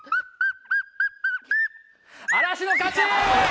嵐の勝ち！